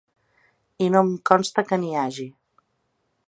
I no em consta que n’hi hagi.